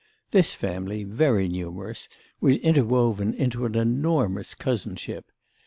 This family, very numerous, was interwoven into an enormous cousinship.